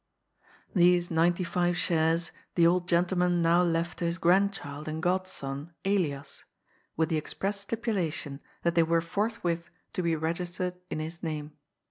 These ninety five shares the old gentleman now left to his grandchild and godson Elias, with the express stipulation that they were forthwith to be registered in his name.